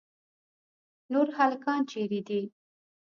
نور هلکان چیرې دي.